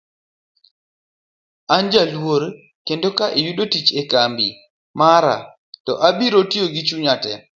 An jaluor kendo ka ayudo tich e kambi mar to abiro tiyo gichunya te.